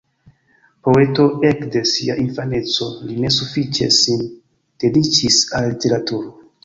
Poeto ekde sia infaneco, li ne sufiĉe sin dediĉis al literaturo.